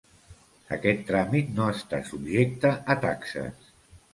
Aquest tràmit no està subjecte a taxes.